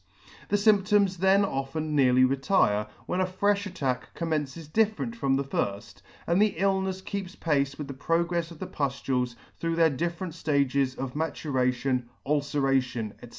The fymptoms then often nearly retire, when a frefti attack commences different from the firft, and the illnefs keeps pace with the progrefs of the puftules through their different ftages of maturation, ulceration, &c.